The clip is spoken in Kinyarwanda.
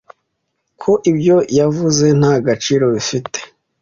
ko ibyo yavuze nta gaciro bifite